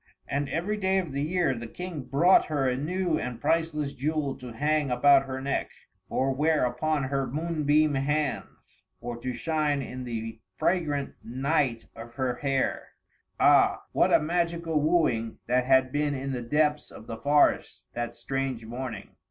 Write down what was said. And, every day of the year, the King brought her a new and priceless jewel to hang about her neck, or wear upon her moonbeam hands, or to shine in the fragrant night of her hair. Ah! what a magical wooing that had been in the depths of the forest, that strange morning!